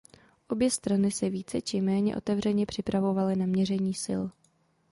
Obě strany se více či méně otevřeně připravovaly na měření sil.